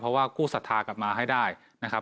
เพราะว่ากู้ศรัทธากลับมาให้ได้นะครับ